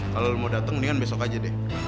kalo lo mau dateng mendingan besok aja deh